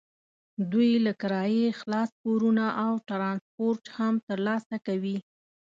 دوی له کرایې خلاص کورونه او ټرانسپورټ هم ترلاسه کوي.